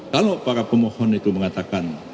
kalau para pemohon itu mengatakan